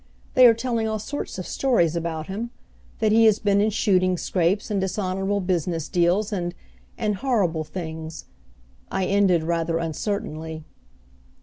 They are telling all sorts of stories about him that he has been in shooting scrapes and dishonorable business deals, and and horrible things," I ended rather uncertainly.